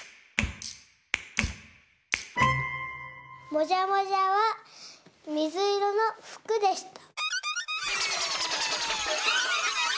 もじゃもじゃはみずいろのふくでした。